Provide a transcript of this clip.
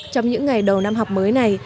trong những ngày đầu năm học mới này